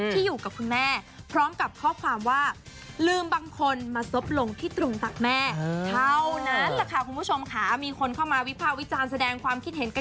ที่อยู่กับคุณแม่พร้อมกับข้อความว่า